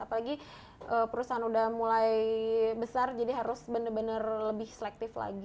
apalagi perusahaan udah mulai besar jadi harus benar benar lebih selektif lagi